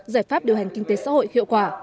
giải pháp điều hành kinh tế xã hội hiệu quả